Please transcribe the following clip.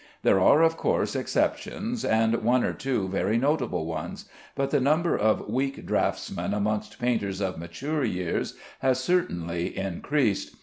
There are, of course, exceptions, and one or two very notable ones, but the number of weak draughtsmen amongst painters of mature years has certainly increased.